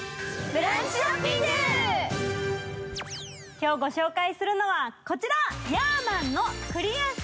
今日、ご紹介するのはこちら！